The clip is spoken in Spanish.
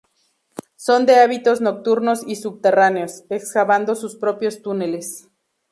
Son de hábitos nocturnos y subterráneos, excavando sus propios túneles.